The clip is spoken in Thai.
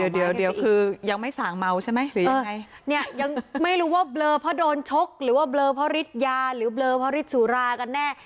เดี๋ยวคือยังไม่สั่งเมาใช่ไหมหรือยังไงเนี่ยยังไม่รู้ว่าเบลอเพราะโดนชกหรือว่าเบลอเพราะฤทธิยาหรือเบลอเพราะฤทธิสุรากันแน่